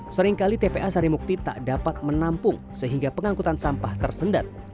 seringkali tpa sarimukti tak dapat menampung sehingga pengangkutan sampah tersendat